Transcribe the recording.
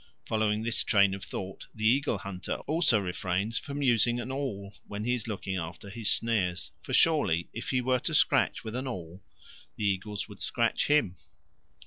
Following this train of thought the eagle hunter also refrains from using an awl when he is looking after his snares; for surely if he were to scratch with an awl, the eagles would scratch him.